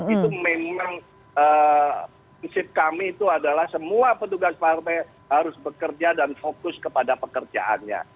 itu memang prinsip kami itu adalah semua petugas partai harus bekerja dan fokus kepada pekerjaannya